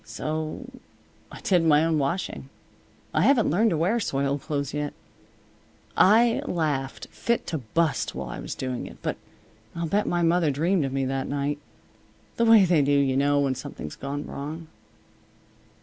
So I did my own washing. I haven't learned to wear soiled clothes yet. I laughed fit to bust while I was doing it. But I'll bet my mother dreamed of me that night. The way they do, you know, when something's gone wrong."